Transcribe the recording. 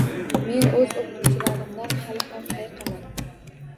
Men oʻz oʻqituvchilarimdan hali ham hayiqaman!